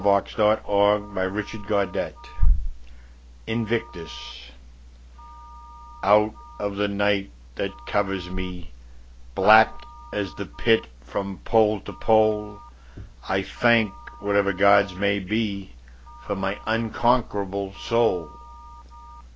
William Ernest Henley1849–1903 Invictus OUT of the night that covers me, Black as the Pit from pole to pole,I thank whatever gods may beFor my unconquerable soul.